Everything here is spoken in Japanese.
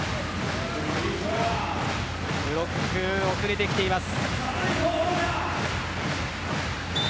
ブロック、遅れてきています。